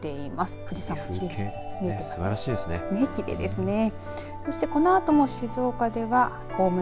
富士山が見えてすばらしいですね。